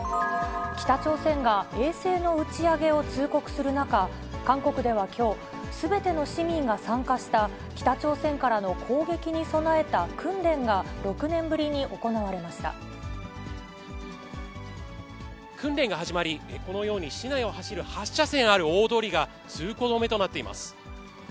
北朝鮮が衛星の打ち上げを通告する中、韓国ではきょう、すべての市民が参加した北朝鮮からの攻撃に備えた訓練が６年ぶり訓練が始まり、このように市内を走る８車線ある大通りが通行止めとなっています。